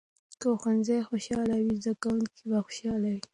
که ښوونځي خوشال وي، زده کوونکي به خوشحاله وي.